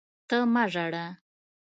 ته مه ژاړه!